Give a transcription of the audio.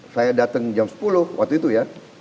saya datang jam sepuluh waktu itu ya